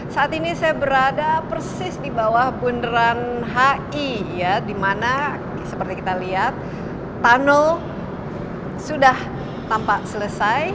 saat ini saya berada persis di bawah bundaran hi di mana seperti kita lihat tunnel sudah tampak selesai